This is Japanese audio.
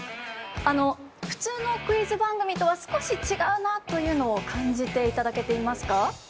あの普通のクイズ番組とは少し違うなというのを感じていただけていますか？